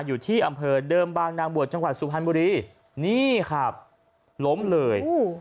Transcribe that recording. อยู่ที่อำเภอเดิมบางนางบวชจังหวัดสุพรรณบุรีนี่ครับล้มเลย